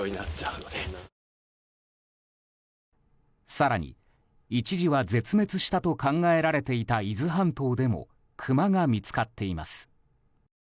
更に、一時は絶滅したと考えられていた伊豆半島でもクマが見つかっています。